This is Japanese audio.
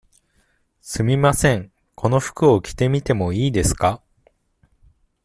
すみません、この服を着てみてもいいですか。